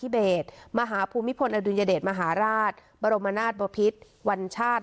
เบศมหาภูมิพลอดุญเดชมหาราชบรมนาศบพิษวัญชาติ